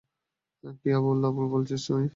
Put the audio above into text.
কী আবোল-তাবোল বকছিস তুই, ভানু?